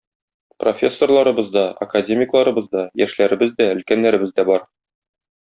Профессорларыбыз да, академикларыбыз да, яшьләребез дә, өлкәннәребез дә бар.